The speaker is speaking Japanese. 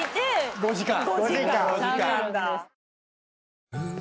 ５時間。